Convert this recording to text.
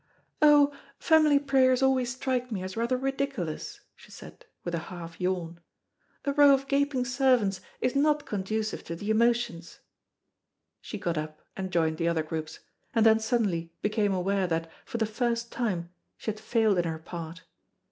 "Oh, family prayers always strike me as rather ridiculous," she said, with a half yawn. "A row of gaping servants is not conducive to the emotions." She got up and joined the other groups, and then suddenly became aware that, for the first time, she had failed in her part.